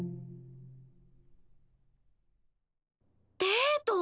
デート？